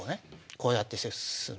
こうやって進む。